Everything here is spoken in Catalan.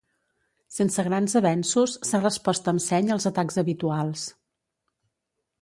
Sense grans avenços s’ha respost amb seny als atacs habituals.